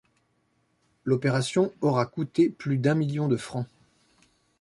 L'opération aura coûté plus d'un million de francs.